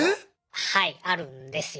はいあるんですよ。